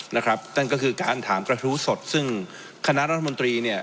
นั่นก็คือการถามกระทู้สดซึ่งคณะรัฐมนตรีเนี่ย